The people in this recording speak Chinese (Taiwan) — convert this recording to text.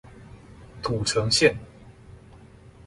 土城線